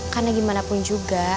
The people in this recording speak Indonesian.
karena gimana pun juga